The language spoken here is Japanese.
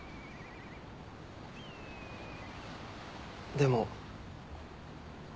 でも。